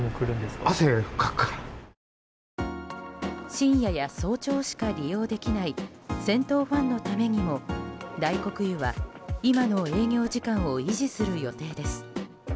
深夜や早朝しか利用できない銭湯ファンのためにも大黒湯は今の営業時間を維持する予定です。